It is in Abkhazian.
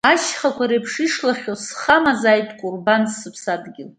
Ашьхақәа реиԥш ишлахьоу схы амазааит кәырбанс сыԥсадгьыл.